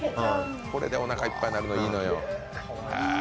これでおなかいっぱいになるのいいのよ。